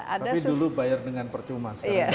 tapi dulu bayar dengan percuma sekarang